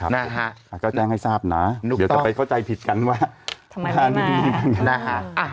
นะฮะก็แจ้งให้ทราบนะเดี๋ยวจะไปเข้าใจผิดกันว่าทำไมทานไม่ดีนะฮะ